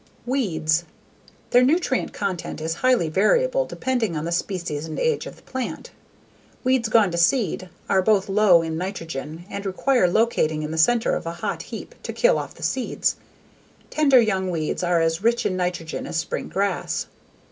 _ _Weeds. _Their nutrient content is highly variable depending on the species and age of the plant. Weeds gone to seed are both low in nitrogen and require locating in the center of a hot heap to kill off the seeds. Tender young weeds are as rich in nitrogen as spring grass.